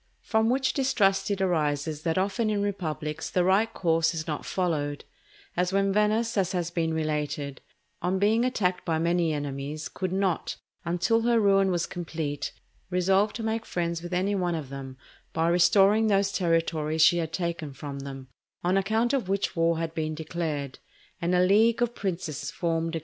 From which distrust it arises that often in republics the right course is not followed; as when Venice, as has been related, on being attacked by many enemies, could not, until her ruin was complete, resolve to make friends with any one of them by restoring those territories she had taken from them, on account of which war had been declared and a league of princes formed against her.